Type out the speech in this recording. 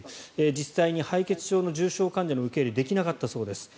実際に敗血症の重症患者の受け入れができなかったそうです。